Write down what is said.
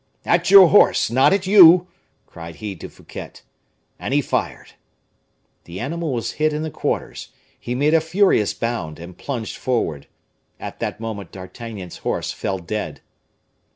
"At your horse! not at you!" cried he to Fouquet. And he fired. The animal was hit in the quarters he made a furious bound, and plunged forward. At that moment D'Artagnan's horse fell dead.